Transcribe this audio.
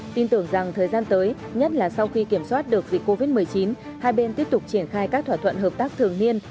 tin tưởng rằng thời gian tới nhất là sau khi kiểm soát được dịch covid một mươi chín hai bên tiếp tục triển khai các thỏa thuận hợp tác thường niên